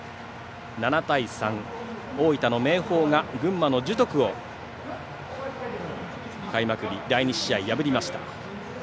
７対３で大分の明豊が群馬の樹徳を開幕日、第２試合で破りました。